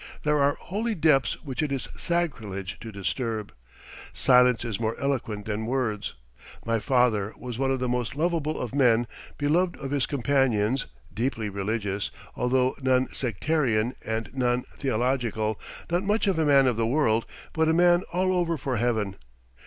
There are holy depths which it is sacrilege to disturb. Silence is more eloquent than words. My father was one of the most lovable of men, beloved of his companions, deeply religious, although non sectarian and non theological, not much of a man of the world, but a man all over for heaven.